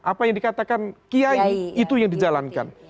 apa yang dikatakan kiai itu yang dijalankan